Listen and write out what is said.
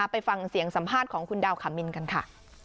ไปฟังเสียงสัมภาษณ์ของคุณดาวขามินกันค่ะ